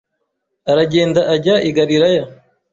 aragenda ajya i Galilaya